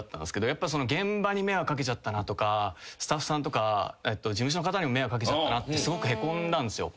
やっぱ現場に迷惑掛けちゃったなとかスタッフさんとか事務所の方にも迷惑掛けちゃったなってすごくへこんだんすよ。